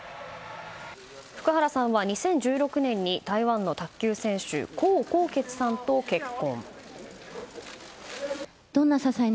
福原さんは２０１６年に台湾の卓球選手江宏傑さんと結婚。